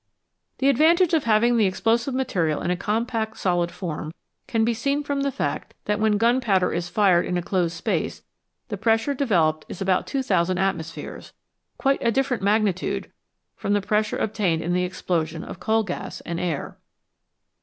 The advantage of having the explosive material in a compact solid form can be seen from the fact that when gunpowder is fired in a closed space the pressure developed is about 2000 atmospheres, quite a different magnitude from the pressures obtained in the explosion of coal gas and air.